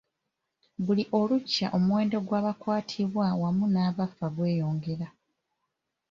Buli lukya omuwendo gw’abakwatibwa wamu n’abafa gweyongera.